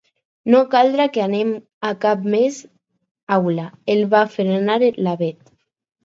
No caldrà que anem a cap més aula —el va frenar la Bet—.